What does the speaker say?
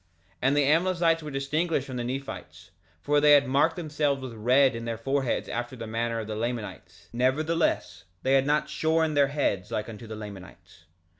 3:4 And the Amlicites were distinguished from the Nephites, for they had marked themselves with red in their foreheads after the manner of the Lamanites; nevertheless they had not shorn their heads like unto the Lamanites.